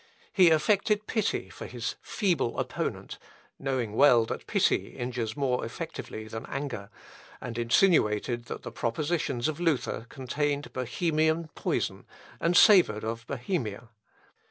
He affected pity for his "feeble opponent," (knowing well that pity injures more effectually than anger,) and insinuated that the propositions of Luther contained Bohemian poison, and savoured of Bohemia.